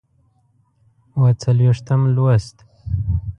اووه څلوېښتم لوست